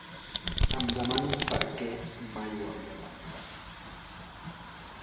Em demano perquè mai ho havia pensat.